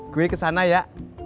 gue kesana ya